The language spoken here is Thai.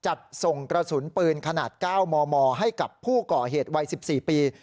จัดส่งกระสุนปืนขนาด๙มมให้กับผู้ก่อเหตุวัย๑๔ปี